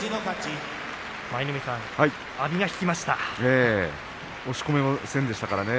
舞の海さん、阿炎が引きましたね。